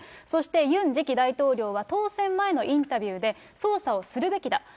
そしてユン次期大統領は当選前のインタビューで、捜査をするべきだ。